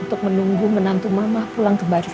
untuk menunggu menantu mama pulang ke baris rumah